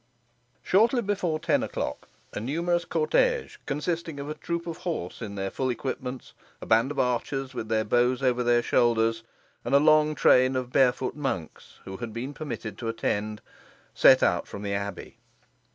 Shortly before ten o'clock a numerous cortège, consisting of a troop of horse in their full equipments, a band of archers with their bows over their shoulders, and a long train of barefoot monks, who had been permitted to attend, set out from the abbey.